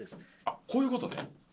あっこういう事ね？